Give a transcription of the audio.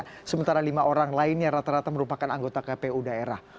dan sementara lima orang lainnya rata rata merupakan anggota kpu daerah